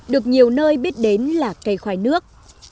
được nhiều nơi biết đến là cây khoai nước